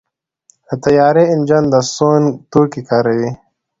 د طیارې انجن د سونګ توکي کاروي.